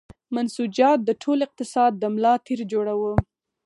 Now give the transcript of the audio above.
منسوجات د ټول اقتصاد د ملا تیر جوړاوه.